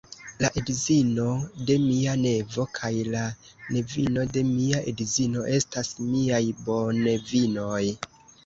La edzino de mia nevo kaj la nevino de mia edzino estas miaj bonevinoj.